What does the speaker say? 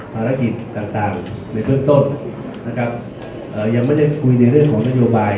ภารกิจต่างในเบื้องต้นนะครับยังไม่ได้คุยในเรื่องของนโยบาย